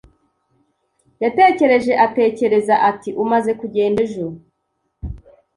Yatekereje atekerezaAti: “Umaze kugenda ejo